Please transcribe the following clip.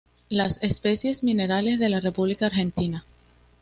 Las especies minerales de la República Argentina.